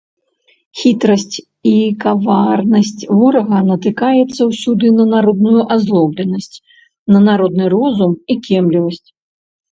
Хітрасць і каварнасць ворага натыкаецца ўсюды на народную азлобленасць, на народны розум і кемлівасць.